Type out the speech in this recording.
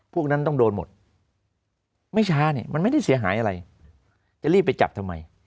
พวกนั้นต้องโดนหมดไม่ช้าเนี่ยมันไม่ได้เสียหายอะไรจะรีบไปจับทำไม